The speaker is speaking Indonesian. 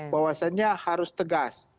bahwasannya harus tegas